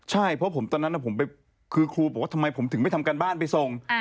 ใช่เพราะผมตอนนั้นคือครูบอกว่าทำไมผมถึงไม่ทำการบ้านไปส่ง